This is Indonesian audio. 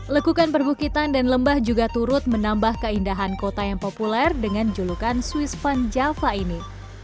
lekukan perbukitan dan lembah juga turut menambah keindahan kota yang populer dengan julukan swiss van java ini